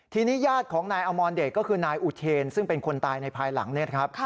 ทีนี้ญาติของนายอมรเดชก็คือนายอุเทนซึ่งเป็นคนตายในภายหลังเนี่ยครับ